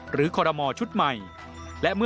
หรือคอรมชุดใหม่